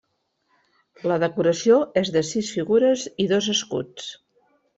La decoració és de sis figures i dos escuts.